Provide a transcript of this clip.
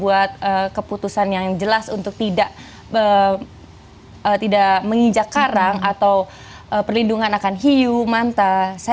pada saat pemda sudah membuat keputusan yang jelas untuk tidak mengijak karang atau perlindungan akan hiu manta